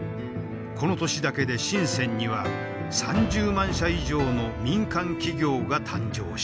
この年だけで深には３０万社以上の民間企業が誕生した。